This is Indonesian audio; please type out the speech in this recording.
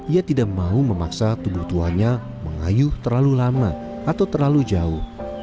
ia tidak mau memaksa tubuh tuanya mengayuh terlalu lama atau terlalu jauh